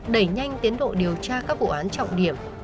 đẩy nhanh tiến độ điều tra các vụ án trọng điểm